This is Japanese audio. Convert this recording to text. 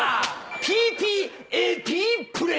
ＰＰＡＰプレイ！